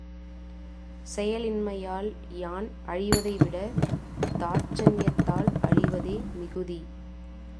செயலின்மையால் யான் அழிவதைவிட தாட்சண்யத்தால் அழிவதே மிகுதி.